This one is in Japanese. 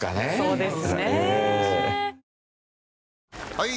・はい！